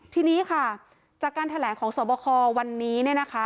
ทีนี้ค่ะจากการแถลงของสวบควันนี้เนี่ยนะคะ